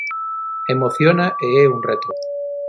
Emociona e é un reto.